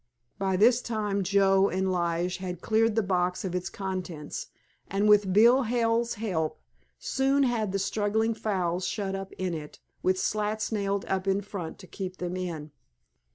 By this time Joe and Lige had cleared the box of its contents, and with Bill Hale's help soon had the struggling fowls shut up in it, with slats nailed up in front to keep them in.